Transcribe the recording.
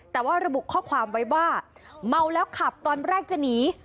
แต่ว่าระบุข้อความไว้ว่าเมาแล้วขับตอนแรกจะหนี